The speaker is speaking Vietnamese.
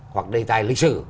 hoặc đề tài lịch sử